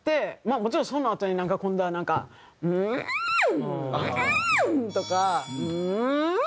もちろんそのあとに今度はなんか「ンー！ンー！」とか「ンー！」。